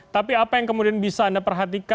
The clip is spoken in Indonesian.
tapi apa yang kemudian bisa anda perhatikan